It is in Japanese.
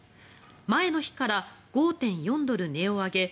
前の日から５．４ドル値を上げ